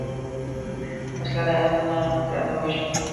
وسله د هدف نه پرته وژني